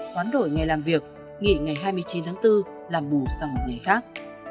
khoán đổi ngày làm việc nghỉ ngày hai mươi chín tháng bốn làm mù sang một ngày khác